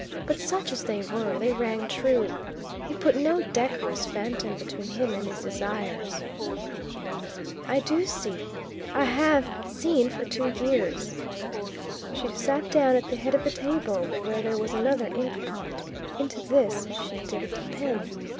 But such as they were, they rang true: he put no decorous phantom between him and his desires. "I do see. I have seen for two years." She sat down at the head of the table, where there was another ink pot. Into this she dipped a pen.